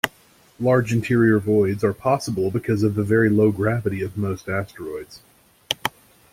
Large interior voids are possible because of the very low gravity of most asteroids.